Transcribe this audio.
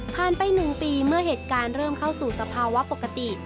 ไป๑ปีเมื่อเหตุการณ์เริ่มเข้าสู่สภาวะปกติ